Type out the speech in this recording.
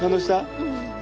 うん。